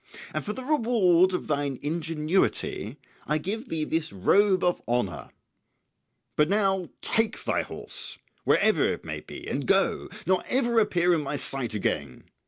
And for the reward of thine ingenuity I give thee this robe of honour; but now take thy horse, wherever it may be, and go, nor ever appear in my sight again.